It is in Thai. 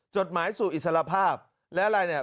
จดหมายสู่อิสระภาพแล้วอะไรเนี่ย